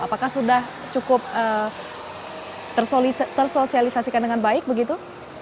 apakah sudah cukup tersosialisasikan dengan baik begitu